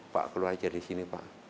pak keluar aja di sini pak